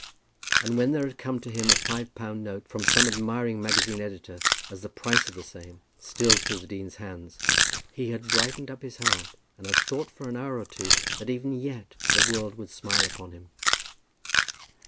And when there had come to him a five pound note from some admiring magazine editor as the price of the same, still through the dean's hands, he had brightened up his heart and had thought for an hour or two that even yet the world would smile upon him.